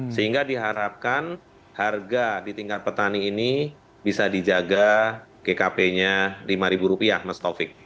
sehingga diharapkan harga di tingkat petani ini bisa dijaga gkp nya rp lima mas taufik